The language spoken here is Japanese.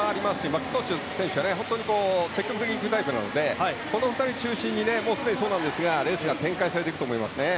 マッキントッシュ選手は積極的にいくタイプなのでこの２人中心にすでにそうなんですがレースが展開されていくと思います。